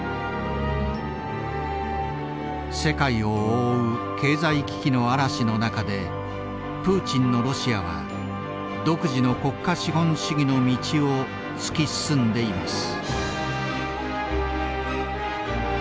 世界を覆う経済危機の嵐の中でプーチンのロシアは独自の国家資本主義の道を突き進んでいます。